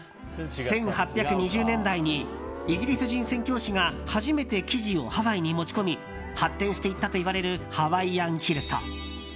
１８２０年代にイギリス人宣教師が初めて生地をハワイに持ち込み発展していったといわれるハワイアンキルト。